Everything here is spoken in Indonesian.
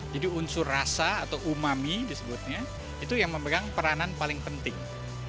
jadi unsur rasa atau umami disebutnya itu yang memegang peranan paling penting